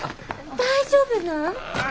大丈夫なん？